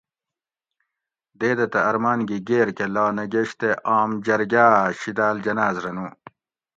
دیدہ تہ ارمان گی گیر کہ لا نہ گیش تے آم جرگاۤ شیداۤل جناز رہ نو